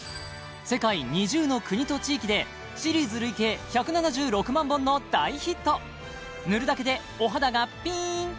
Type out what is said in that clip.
世界２０の国と地域でシリーズ累計１７６万本の大ヒット塗るだけでお肌がピーン！